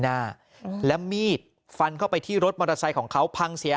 หน้าอืมแล้วมีดฟันเข้าไปที่รถมอเตอร์ไซค์ของเขาพังเสีย